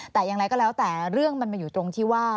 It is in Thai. แต่อย่างไรก็แล้วแต่เรื่องมันมาอยู่ตรงที่ว่า